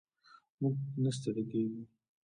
موږ نه ستړي کیږو.